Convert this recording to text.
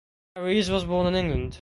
Harries was born in England.